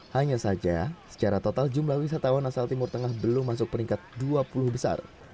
hanya saja secara total jumlah wisatawan asal timur tengah belum masuk peringkat dua puluh besar